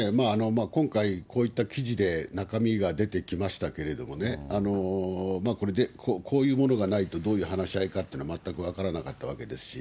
今回、こういった記事で中身が出てきましたけれどもね、これでこういうものがないと、どういう話し合いかっていうのは全く分からなかったわけですし。